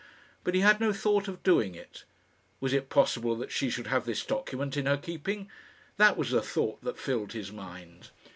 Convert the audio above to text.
But he had no thought of doing it. Was it possible that she should have this document in her keeping? that was the thought that filled his mind.